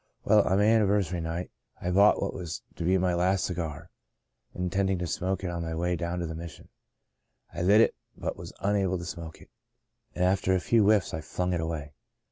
Well, on my anniversary night, I bought what was to be my last cigar, intending to smoke it on my way down to the Mission. I lit it but was unable to smoke it, and after a few whifTs I flung it away.